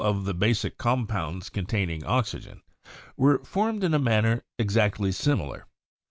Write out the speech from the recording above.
of the basic compounds containing oxygen — were formed in a manner exactly similar.